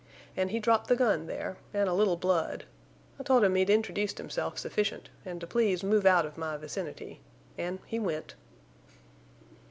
An' he dropped the gun there, an' a little blood. I told him he'd introduced himself sufficient, an' to please move out of my vicinity. An' he went."